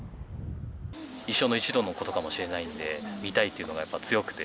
一生に一度のことかもしれないんで、見たいというのがやっぱ、強くて。